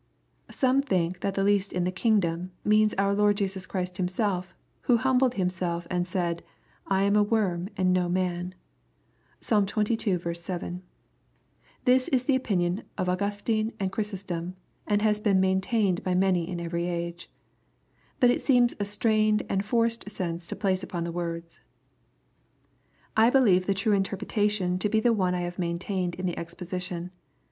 Some think, that the least in the kingdom," means our Lord Jesus Christ Himself who humbled Himself and said, "I am a worm and no man. (Psalm xxii. 7.) This is the opinion of Augustine and Chrysostom, and has been maintained by many in every age. But it seems a strained and forced sense to place upon the words. I believe the true interpretation to be the one I have maintained in the exposition.